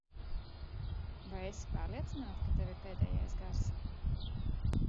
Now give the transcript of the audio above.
Vai esi pārliecināta, ka tev ir pēdējais gars?